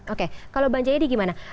oke kalau bang jayadi gimana